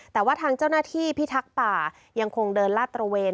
แต่ว่าทางเจ้าหน้าที่พิทักษ์ป่ายังคงเดินลาดตระเวน